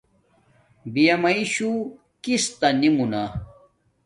بیامیݵ شو کستا نی مونا